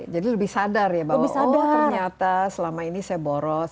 jadi lebih sadar ya bahwa oh ternyata selama ini saya boros